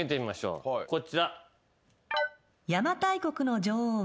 こちら。